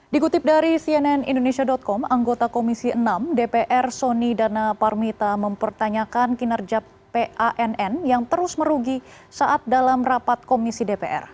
dikutip dari cnn indonesia com anggota komisi enam dpr soni dana parmita mempertanyakan kinerja pann yang terus merugi saat dalam rapat komisi dpr